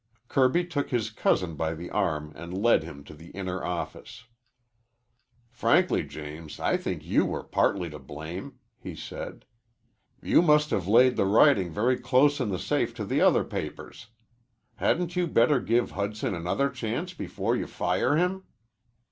Kirby took his cousin by the arm and led him into the inner office. "Frankly, James, I think you were partly to blame," he said. "You must have laid the writing very close in the safe to the other papers. Hadn't you better give Hudson another chance before you fire him?"